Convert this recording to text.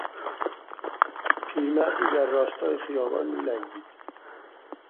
پیر مردی در راستای خیابان میلنگید.